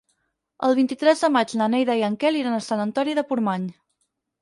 El vint-i-tres de maig na Neida i en Quel iran a Sant Antoni de Portmany.